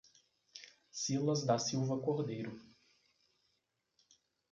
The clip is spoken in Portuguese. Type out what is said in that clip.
Cilas da Silva Cordeiro